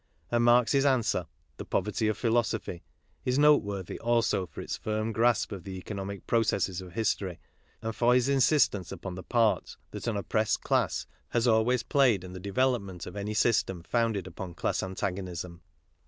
And Marx's answer, the Poverty of Philosophy, is note j worthy also for its firm grasp of the economic processes', of history and for his insistence upon the part that an I oppressed class has always played in the development of any system founded upon class antagonism.